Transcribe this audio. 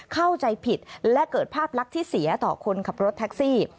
เข้าใจผิดและเกิดภาพลักษณ์ที่เสียต่อคนขับรถแท็กซี่